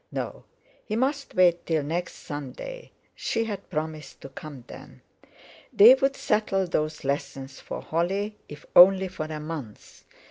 No, he must wait till next Sunday; she had promised to come then. They would settle those lessons for Holly, if only for a month.